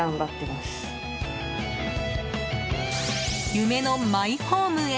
夢のマイホームへ。